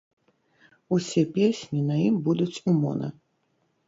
Усе песні на ім будуць у мона.